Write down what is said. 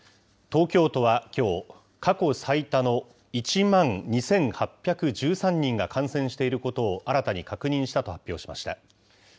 東京都はきょう、過去最多の１万２８１３人が感染していることを新たに確認したと発表しました。